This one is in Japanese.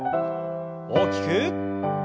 大きく。